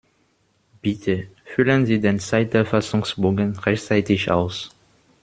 Bitte füllen Sie den Zeiterfassungsbogen rechtzeitig aus!